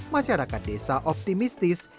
masyarakat desa optimistis